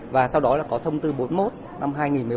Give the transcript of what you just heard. và sau đó là có thông tư bốn mươi một năm hai nghìn một mươi bốn